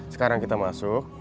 sekarang kita masuk